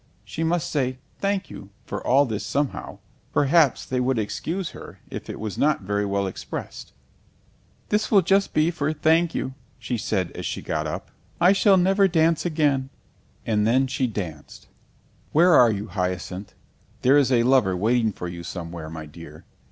She must say, "Thank you," for all this somehow; perhaps they would excuse her if it was not very well expressed. "This will just be for 'Thank you'" she said as she got up. "I shall never dance again." [Illustration: And then she danced] And then she danced. ... _Where are you, Hyacinth? There is a lover waiting for you somewhere, my dear.